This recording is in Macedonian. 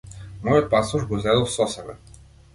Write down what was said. Мојот пасош го зедов со себе.